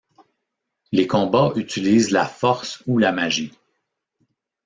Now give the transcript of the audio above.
Les combats utilisent la force ou la magie.